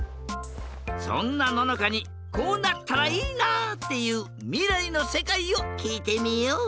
そんなののかにこうなったらいいなっていうみらいのせかいをきいてみよう！